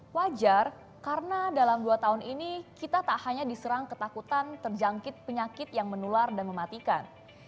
wajar karena dalam dua tahun ini kita tak hanya diserang ketakutan terjangkit penyakit yang menular dan mematikan